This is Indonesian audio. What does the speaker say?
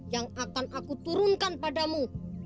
yang akan aku turunkan padamu